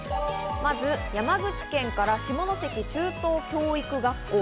まず山口県から下関中等教育学校。